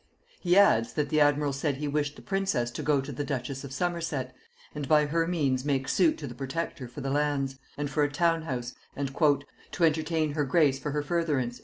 He adds, that the admiral said he wished the princess to go to the duchess of Somerset, and by her means make suit to the protector for the lands, and for a town house, and "to entertain her grace for her furtherance."